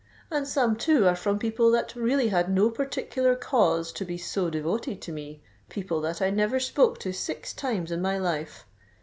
And some too are from people that really had no particular cause to be so devoted to me—people that I never spoke to six times in my life!